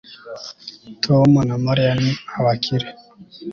tom na mariya ni abakire